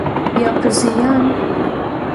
یا په زیان؟